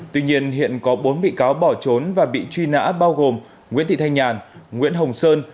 tuy nhiên hiện có bốn bị cáo bỏ trốn và bị truy nã bao gồm nguyễn thị thanh nhàn nguyễn hồng sơn